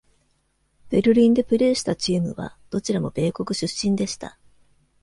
ベルリンでプレーしたチームはどちらも米国出身でした。